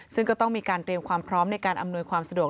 ซึ่งก็ต้องมีการเตรียมความพร้อมในการอำนวยความสะดวก